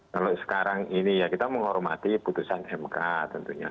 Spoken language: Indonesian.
kalau sekarang ini ya kita menghormati putusan mk tentunya